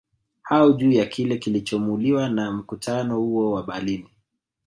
Au juu ya Kile kilichomuliwa na mkutano huo wa Berlini